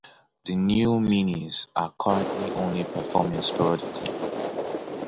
The New Meanies are currently only performing sporadically.